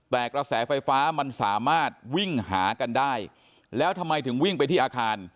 แต่กระแสไฟฟ้ามันสามารถวิ่งหากันได้แล้วทำไมถึงวิ่งไปที่อาคาร